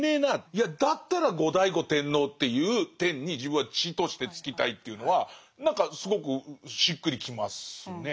いやだったら後醍醐天皇という天に自分は地としてつきたいというのは何かすごくしっくりきますね。